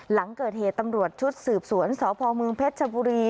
หลังเกิดเหตุตำรวจชุดสืบสวนสพเมืองเพชรชบุรี